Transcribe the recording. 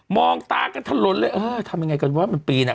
องตากันทะล้นเลยเออทำยังไงกันวะมันปีนอ่ะ